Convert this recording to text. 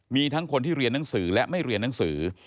มีทั้งคนที่เรียนหนังสือและไม่เรียนหนังสือ